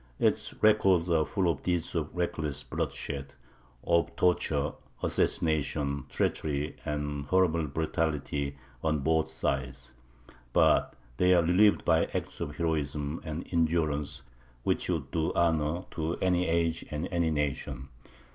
Its records are full of deeds of reckless bloodshed, of torture, assassination, treachery, and horrible brutality on both sides; but they are relieved by acts of heroism and endurance which would do honour to any age and any nation.